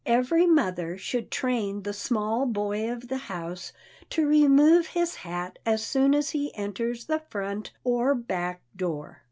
Every mother should train the small boy of the house to remove his hat as soon as he enters the front (or back) door.